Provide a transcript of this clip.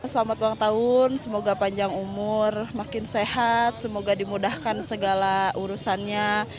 selamat ulang tahun semoga panjang umur makin sehat semoga dimudahkan segala urusannya